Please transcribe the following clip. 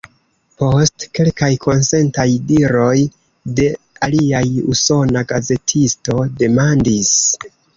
Post kelkaj konsentaj diroj de aliaj, usona gazetisto demandis: